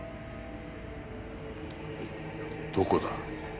どこだ？